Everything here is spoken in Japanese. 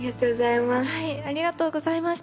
ありがとうございます。